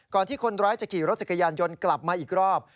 ที่คนร้ายจะขี่รถจักรยานยนต์กลับมาอีกรอบ